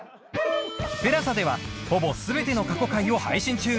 ＴＥＬＡＳＡ ではほぼ全ての過去回を配信中